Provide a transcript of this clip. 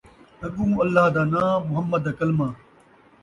اڳوں اللہ دا ناں محمد دا کلمہ